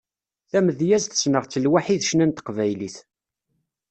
Tamedyazt, sneɣ-tt lwaḥi d ccna n teqbaylit.